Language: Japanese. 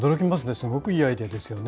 すごくいいアイデアですよね。